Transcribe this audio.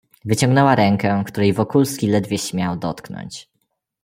"Wyciągnęła rękę, której Wokulski ledwie śmiał dotknąć."